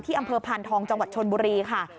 อำเภอพานทองจังหวัดชนบุรีค่ะ